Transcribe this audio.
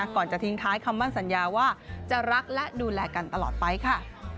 ก่อนจะทิ้งท้ายคำมั่นสัญญาว่าจะรักและดูแลกันตลอดไปค่ะ